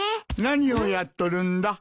何をやっとるんだ？